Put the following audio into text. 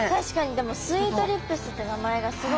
でもスイートリップスって名前がすごい。